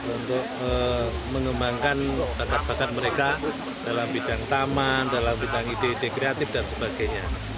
untuk mengembangkan bakat bakat mereka dalam bidang taman dalam bidang ide ide kreatif dan sebagainya